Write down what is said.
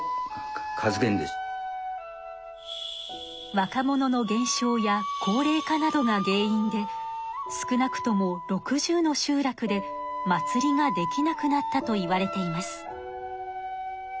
若者の減少や高齢化などが原因で少なくとも６０の集落で祭りができなくなったといわれています。